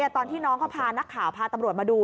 ตอนที่น้องเขาพานักข่าวพาตำรวจมาดู